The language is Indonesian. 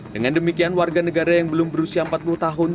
dengan demikian warga negara yang belum berusia empat puluh tahun